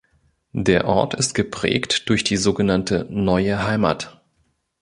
Der Ort ist geprägt durch die sogenannte "Neue Heimat".